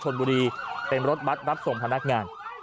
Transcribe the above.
ชนบุรีเป็นรถบัตรรับส่งพนักงาน